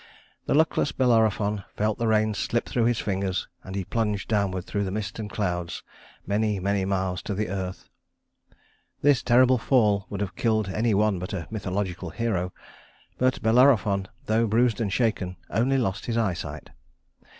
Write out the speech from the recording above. The luckless Bellerophon felt the reins slip through his fingers, and he plunged downward through mist and clouds many, many miles to the earth. This terrible fall would have killed any one but a mythological hero, but Bellerophon, though bruised and shaken, only lost his eyesight.